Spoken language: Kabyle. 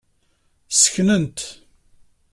Sseknan-t.